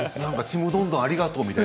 「ちむどんどん」ありがとう。